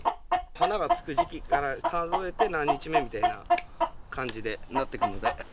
花がつく時期から数えて何日目みたいな感じでなっていくので。